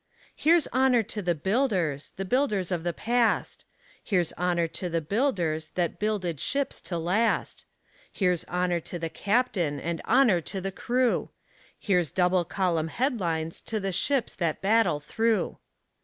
Here's honour to the builders – The builders of the past; Here's honour to the builders That builded ships to last; Here's honour to the captain, And honour to the crew; Here's double column headlines To the ships that battle through.